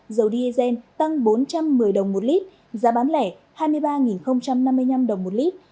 dầu diesel tăng bốn trăm một mươi đồng một lít giá bán lẻ hai mươi ba năm mươi năm đồng một lít